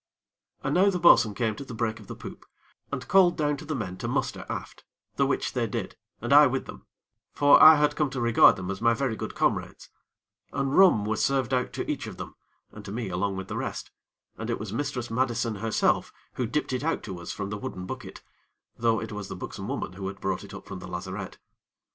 And now the bo'sun came to the break of the poop, and called down to the men to muster aft, the which they did, and I with them; for I had come to regard them as my very good comrades; and rum was served out to each of them, and to me along with the rest, and it was Mistress Madison herself who dipped it out to us from the wooden bucket; though it was the buxom woman who had brought it up from the lazarette.